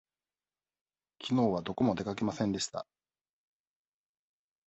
きのうはどこも出かけませんでした。